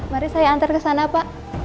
mari saya antar kesana pak